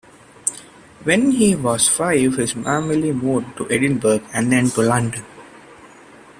When he was five his family moved to Edinburgh and then to London.